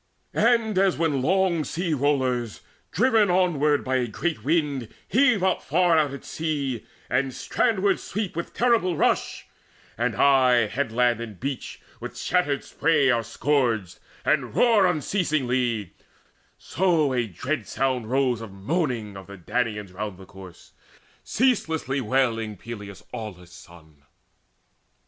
And as when long sea rollers, onward driven By a great wind, heave up far out at sea, And strandward sweep with terrible rush, and aye Headland and beach with shattered spray are scourged, And roar unceasing; so a dread sound rose Of moaning of the Danaans round the corse, Ceaselessly wailing Peleus' aweless son.